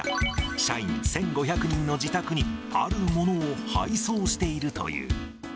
社員１５００人の自宅に、あるものを配送しているという。